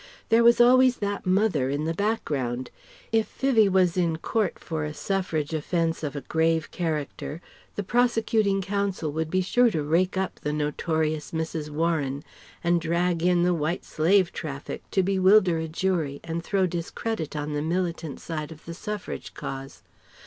There was always that mother in the background. If Vivie was in court for a suffrage offence of a grave character the prosecuting Counsel would be sure to rake up the "notorious Mrs. Warren" and drag in the White Slave Traffic, to bewilder a jury and throw discredit on the militant side of the Suffrage cause.